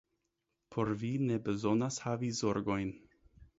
Por vi ne bezonas havi zorgojn.